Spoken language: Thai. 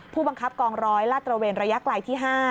ผู้บังคับกองร้อยลาดตระเวนระยะไกลที่๕